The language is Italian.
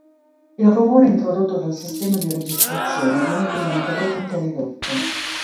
Il rumore introdotto dal sistema di registrazione viene così notevolmente ridotto.